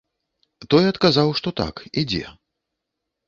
Той адказаў, што так, ідзе.